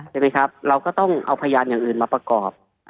ใช่ไหมครับเราก็ต้องเอาพยานอย่างอื่นมาประกอบ